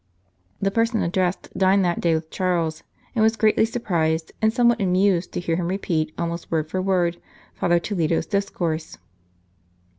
The person addressed dined that day with Charles, and was greatly surprised, and some what amused, to hear him repeat almost word for word Father Toledo s discourse.